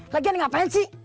lagian ngapain sih